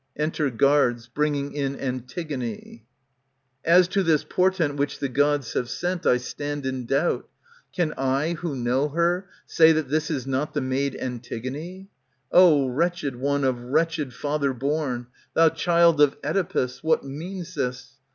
Erifer Guards, bringing in Antigone. As to this portent which the Gods have sent, I stand in doubt. Can I, who know her, say That this is not the maid Antigone ? 0 wretched one of wretched father born, ^ Thou child of CEdipus, What means this